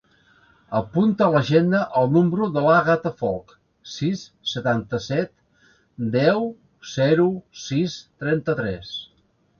Apunta a l'agenda el número de l'Àgata Folch: sis, setanta-set, deu, zero, sis, trenta-tres.